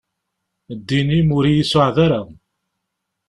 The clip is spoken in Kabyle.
Ddin-im ur iyi-suɛed ara.